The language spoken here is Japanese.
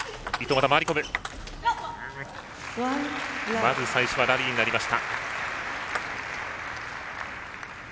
まず最初はラリーになりました。